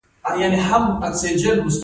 د ننګرهار بادرنګ څه وخت راځي؟